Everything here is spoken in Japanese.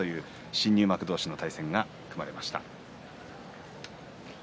新入幕同士の対戦が組まれました。